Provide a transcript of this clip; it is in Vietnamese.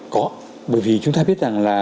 có bởi vì chúng ta biết rằng là